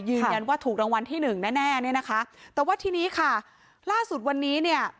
ยืนยันว่าถูกรางวัลที่หนึ่งแน่แน่เนี่ยนะคะแต่ว่าทีนี้ค่ะล่าสุดวันนี้เนี่ย